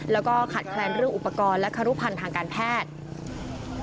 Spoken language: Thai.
แล้วก็ขาดแคลนเรื่องอุปกรณ์และครุพันธ์ทางการแพทย์